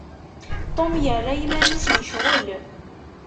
Tom yerra iman-is yecɣel.